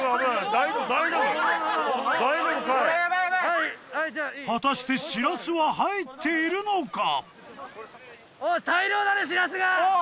大丈夫かい果たしてしらすは入っているのか？